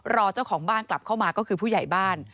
รอเจ้าของบ้านกลับเข้ามาก็คือผู้ใหญ่บ้าน